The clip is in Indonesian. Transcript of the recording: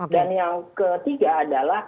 dan yang ketiga adalah